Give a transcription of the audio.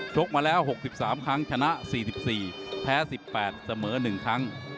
กมาแล้ว๖๓ครั้งชนะ๔๔แพ้๑๘เสมอ๑ครั้ง